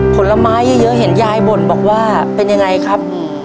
ผลไม้เยอะเห็นยายบ่นบอกว่าเป็นยังไงครับ